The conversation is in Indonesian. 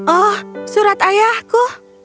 oh surat ayahku